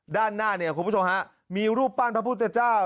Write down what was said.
ด้านหน้าเนี่ยคุณผู้ชมฮะมีรูปปั้นพระพุทธเจ้า